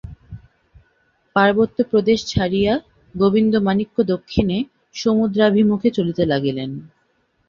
পার্বত্য প্রদেশ ছাড়িয়া গোবিন্দমাণিক্য দক্ষিণে সমুদ্রাভিমুখে চলিতে লাগিলেন।